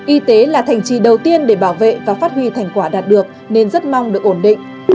y tế là thành trì đầu tiên để bảo vệ và phát huy thành quả đạt được nên rất mong được ổn định